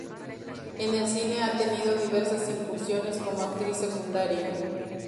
En el cine ha tenido diversas incursiones cómo actriz secundaria.